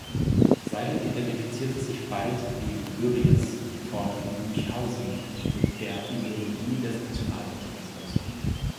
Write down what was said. Seidel identifizierte sich bald wie Börries von Münchhausen mit der Ideologie des Nationalsozialismus.